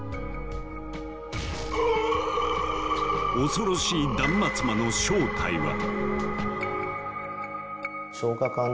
恐ろしい断末魔の正体は？